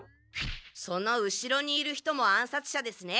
その後ろにいる人も暗殺者ですね。